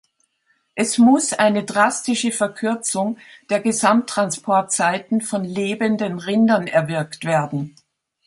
Es muss eine drastische Verkürzung der Gesamttransportzeiten von lebenden Rindern erwirkt werden.